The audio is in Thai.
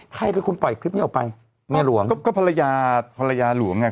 ใครเป็นคนปล่อยคลิปนี้ออกไปเมียหลวงก็ก็ภรรยาภรรยาหลวงไง